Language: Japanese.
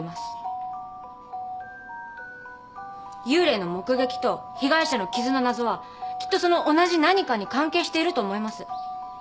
幽霊の目撃と被害者の傷の謎はきっとその同じ何かに関係していると思います。